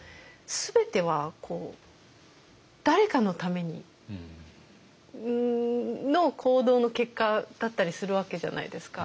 全ては誰かのための行動の結果だったりするわけじゃないですか。